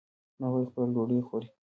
هغوی خپله ډوډۍ خوري